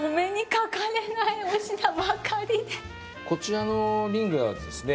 こちらのリングはですね